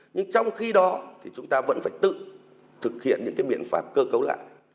nhưng trong khi đó chúng ta vẫn phải tự thực hiện những biện pháp cơ cấu lại